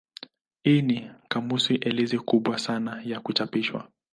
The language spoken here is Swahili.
Hii ni kamusi elezo kubwa sana ya kuchapishwa.